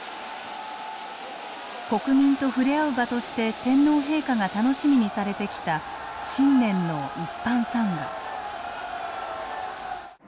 国民と触れ合う場として天皇陛下が楽しみにされてきた新年の一般参賀。